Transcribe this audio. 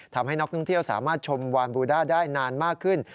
ทำให้นักท่องเที่ยวสามารถชมวานบูด้าได้นานมากขึ้น